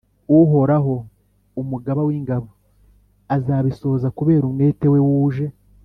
uhoraho umugaba w’ingabo azabisohoza kubera umwete we wuje